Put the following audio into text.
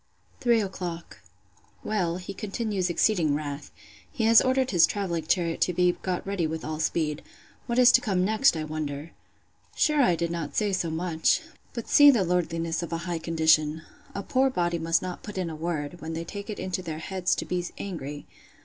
Three o'clock. Well, he continues exceeding wrath. He has ordered his travelling chariot to be got ready with all speed. What is to come next, I wonder! Sure I did not say so much!—But see the lordliness of a high condition!—A poor body must not put in a word, when they take it into their heads to be angry!